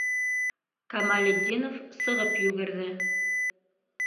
Камалетдинов сығып йүгерҙе...